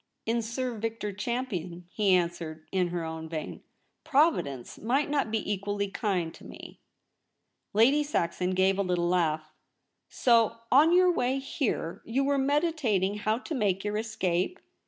' In Sir Victor Champion,' he answered in her own vein. ' Providence might not be equally kind to me.' Lady Saxon gave a little laugh. ' So, on your way here you were meditating how to make your escape